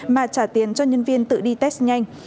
mà trả tiền cho nhân viên tự đi test nhanh